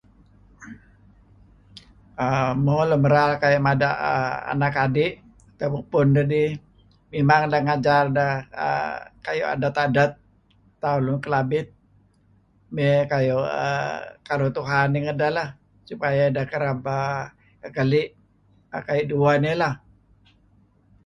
{er] lun merar mada' anak adi' kayu' mupun dedih memang deh ngajar deh err kayu' adet-adet tauh lun Kelabit, mey kayu' err karuh Tuhan dih ngedah lah supaya ideh kereb err keli' kayu' dueh nih lah.